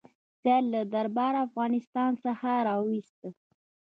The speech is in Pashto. سید له درباره او له افغانستان څخه وایست.